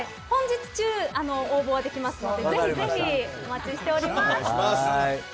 本日中、応募はできますのでぜひぜひお待ちしております。